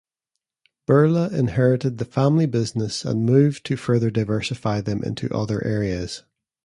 Birla inherited the family business and moved to further diversify them into other areas.